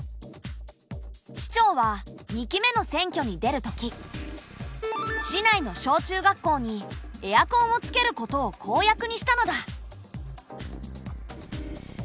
市長は２期目の選挙に出るとき市内の小中学校にエアコンをつけることを公約にしたのだ。